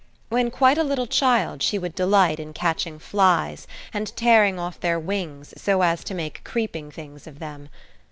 When quite a little child she would delight in catching flies, and tearing off their wings, so as to make creeping things of them.